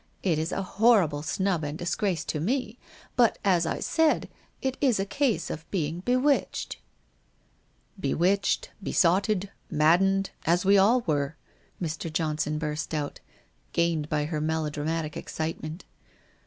It is a horrible snub and disgrace to me — but, as I said, it is a rase of being bewitched.' 394 WHITE ROSE OF WEARY LEAF e Bewitched, besotted, maddened, as we all were !' Mr. Johnson burst out, gained by her melodramatic excite ment.